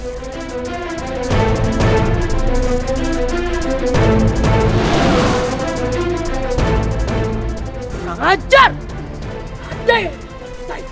semua hal yang telah datang